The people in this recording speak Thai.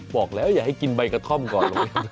บอกแล้วอย่าให้กินใบกระท่อมก่อนเลย